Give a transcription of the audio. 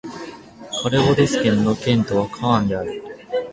カルヴァドス県の県都はカーンである